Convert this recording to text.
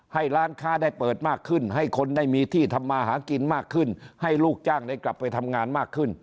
ให้ร้านค้าได้เปิดมากขึ้นให้คนได้มีที่ทำมาหากินมากขึ้นให้ลูกจ้างได้กลับไปทำงานมากขึ้น